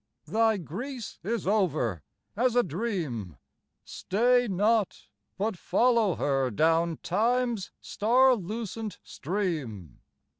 thy Greece is over, as a dream; Stay not! but follow her down Time's star lucent stream.